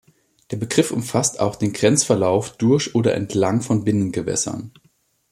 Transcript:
Der Begriff umfasst auch den Grenzverlauf durch oder entlang von Binnengewässern.